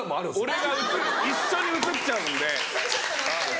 俺が一緒に映っちゃうんで。